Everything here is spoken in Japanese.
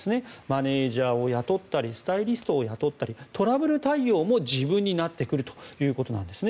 マネジャーを雇ったりスタイリストを雇ったりトラブル対応も自分になってくるということです。